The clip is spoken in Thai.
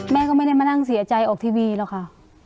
แม่ก็ไม่ได้มานั่งเสียใจออกทีวีหรอกค่ะ